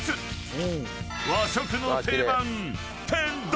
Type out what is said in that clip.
［和食の定番］